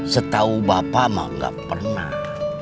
setahu bapak mah gak pernah